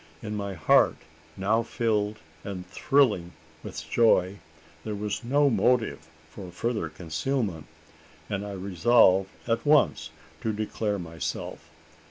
In my heart, now filled and thrilling with joy, there was no motive for further concealment; and I resolved at once to declare myself.